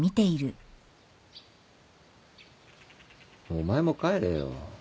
お前も帰れよ。